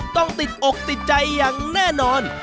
ต้องติดอกติดใจอย่างแน่นอน